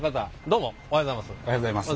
どうもおはようございます。